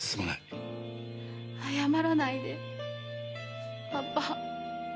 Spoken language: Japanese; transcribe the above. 謝らないでパパ。